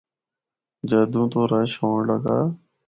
جدّوں تو رش ہونڑ لگا۔